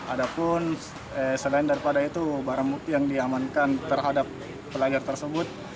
ada pun selain daripada itu barang yang diamankan terhadap pelajar tersebut